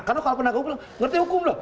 karena kalau penaguh bilang ngerti hukum loh